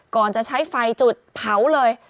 ก่อนจะใช้ไฟจุดเผาเลย